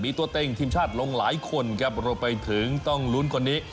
มีตัวเต็งทีมชาติลงหลายคนครับรวมไปถึงต้องลุ้นคนนี้